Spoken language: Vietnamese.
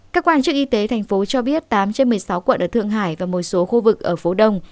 các quan chức y tế thành phố cho biết tám trên một mươi sáu quận ở thượng hải và một số khu vực ở phố đông